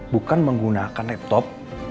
bukan menggunakan laptop